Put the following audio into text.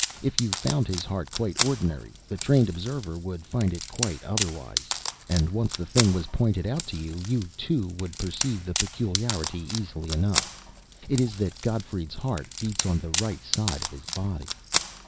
If you found his heart quite ordinary, the trained observer would find it quite otherwise. And once the thing was pointed out to you, you too would perceive the peculiarity easily enough. It is that Gottfried's heart beats on the right side of his body.